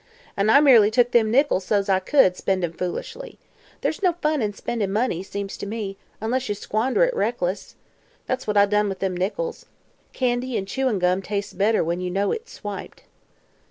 "An' I merely took them nickels so's I could, spend 'em foolish. There's no fun in spendin' money, seems to me, unless you squander it reckless. That's what I done with them nickels. Candy an' chewin' gum tastes better when you know it's swiped."